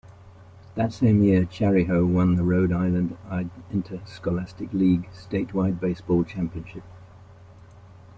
That same year, Chariho won the Rhode Island Interscholastic League statewide baseball championship.